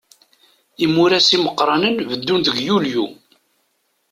Imuras imeqqranen beddun deg yulyu.